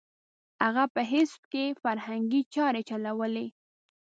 هغه په حزب کې فرهنګي چارې چلولې.